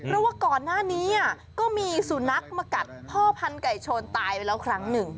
เพราะว่าก่อนหน้านี้ก็มีสุนัขมากัดพ่อพันธุไก่ชนตายไปแล้วครั้งหนึ่ง